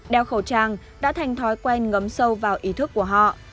đeo khẩu trang đã thành thói quen ngấm sâu vào ý thức của họ